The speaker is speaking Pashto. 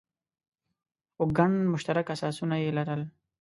خو ګڼ مشترک اساسونه یې لرل.